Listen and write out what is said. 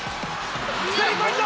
スリーポイント。